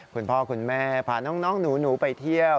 คุณพ่อคุณแม่พาน้องหนูไปเที่ยว